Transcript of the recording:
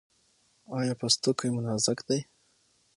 ایا پوستکی مو نازک دی؟